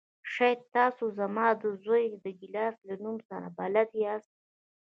شاید تاسو زما د زوی ډګلاس له نوم سره بلد یاست